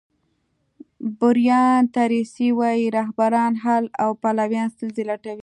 برایان تریسي وایي رهبران حل او پلویان ستونزې لټوي.